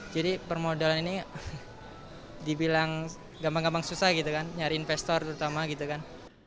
jadi permodalan ini dibilang gampang gampang susah gitu kan nyari investor terutama gitu kan